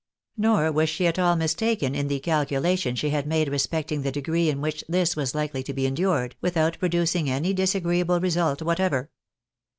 Nor was she at all mistaken in the calculation she had made respecting the degree in which this was likely to be endured, without producing any disagreeable result whatever.